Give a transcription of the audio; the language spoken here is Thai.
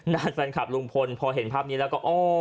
แฟนคลับลุงพลพอเห็นภาพนี้แล้วก็โอ้